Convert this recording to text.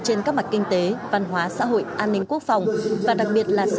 trên các mặt kinh tế văn hóa xã hội an ninh quốc phòng và đặc biệt là